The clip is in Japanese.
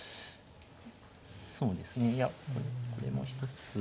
そうですねいやこれも一つ。